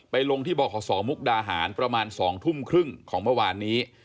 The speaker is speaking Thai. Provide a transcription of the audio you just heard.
ลงที่บขสมุกดาหารประมาณ๒ทุ่มครึ่งของเมื่อวานนี้